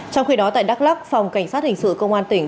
trong khi đó tại đắk lắc phòng cảnh sát hình sự công an tỉnh